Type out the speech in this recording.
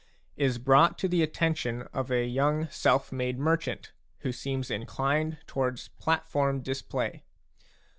is brought to the attention of a young self made merchant who seems inclined towards platform display.